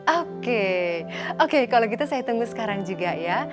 oke oke kalau gitu saya tunggu sekarang juga ya